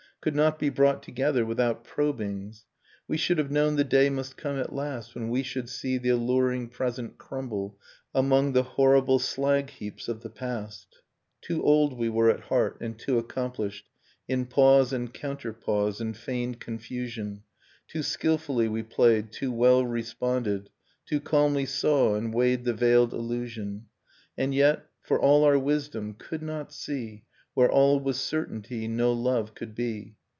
Could not be brought together without probings ... We should have known the day must come at last When we should see the alluring present crumble Among the horrible slag heaps of the past. Too old we were at heart, and too accomplished In pause and counter pause, and feigned confusion; Too skilfully we played, too well responded, Too calmly saw and weighed the veiled allusion: And yet, for all our wisdom, could not see Where all was certainty no love could be.